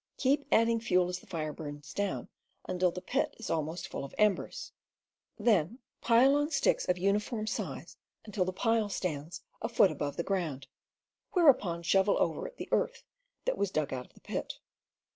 Keep adding fuel as the fire burns down, until the pit is almost full of embers. Then pile on split sticks of uniform size until the pile 276 CAMPING AND WOODCRAFT stands a foot above the ground, whereupon shovel over it the earth that was dug out of the pit.